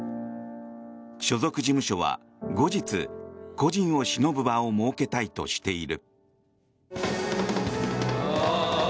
所属事務所は後日故人をしのぶ場を設けたいとしている。